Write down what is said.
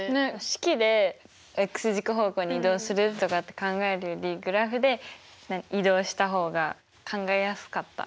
式で軸方向に移動するとかって考えるよりグラフで移動した方が考えやすかった。